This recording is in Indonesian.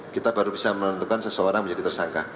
kita baru bisa menentukan seseorang menjadi tersangka